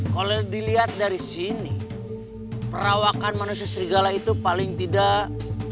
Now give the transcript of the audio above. kalau dilihat dari sini perawakan manusia serigala itu paling tidak